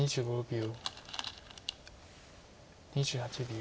２８秒。